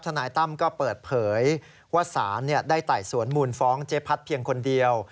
นายตั้มก็เปิดเผยว่าสารได้ไต่สวนมูลฟ้องเจ๊พัดเพียงคนเดียว